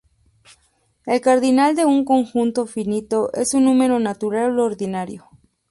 El cardinal de un conjunto finito es un número natural ordinario.